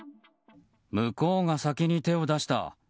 向こうが先に手を出した。